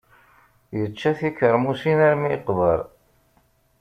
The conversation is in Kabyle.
Yečča tikermusin armi yeqber.